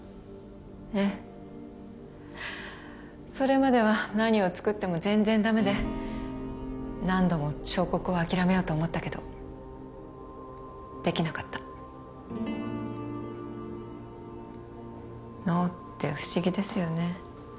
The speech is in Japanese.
ええそれまでは何を作っても全然ダメで何度も彫刻を諦めようと思ったけどできなかった脳って不思議ですよね